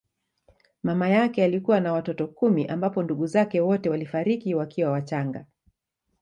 Mama yake alikuwa na watoto kumi ambapo ndugu zake wote walifariki wakiwa wachanga.